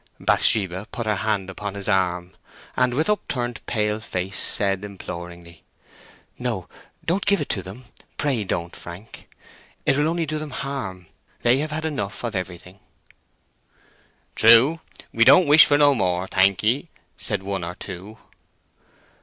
Bathsheba put her hand upon his arm, and, with upturned pale face, said imploringly, "No—don't give it to them—pray don't, Frank! It will only do them harm: they have had enough of everything." "True—we don't wish for no more, thank ye," said one or two.